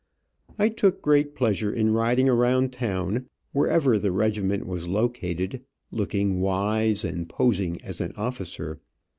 I took great pleasure in riding around town, wherever the regiment was located, looking wise, and posing as an officer.